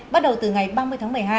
bắt đầu từ ngày ba mươi tháng một mươi hai